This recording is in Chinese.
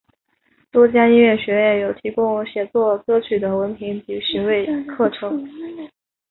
多家音乐学院有提供写作歌曲的文凭及学位课程。